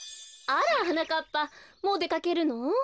あらはなかっぱもうでかけるの？